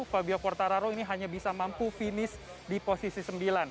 fabio quartararo ini hanya bisa mampu finish di posisi sembilan